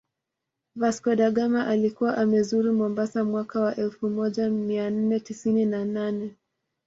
Vasco da Gama alikuwa amezuru Mombasa mwaka wa elfumoja mianne tisini na nane